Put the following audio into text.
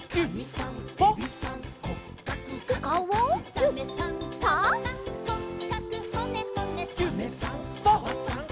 「サメさんサバさん